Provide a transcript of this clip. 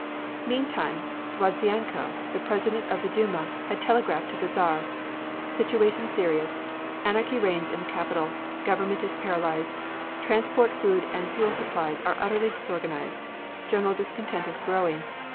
Meantime Rodzianko, the President of the Duma, had telegraphed to the Czar: Situation serious. Anarchy reigns in Capital. Government is paralyzed. Transport food and fuel supplies are utterly disorganized. General discontent is growing.